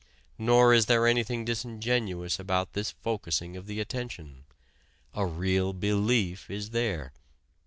Nor is there anything disingenuous about this focusing of the attention: a real belief is there.